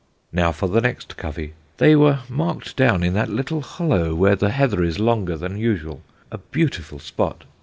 Now for the next covey. They were marked down in that little hollow where the heather is longer than usual a beautiful spot!